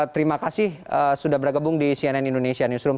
terima kasih sudah bergabung di cnn indonesia newsroom